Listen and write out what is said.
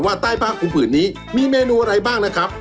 ใต้ภาคอุ่มผื่นนี้มีเมนูอะไรบ้างนะครับ